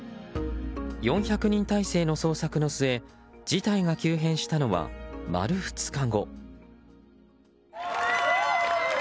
４００人態勢の捜索の末事態が急変したのは丸２日後。